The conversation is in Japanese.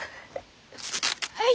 はい。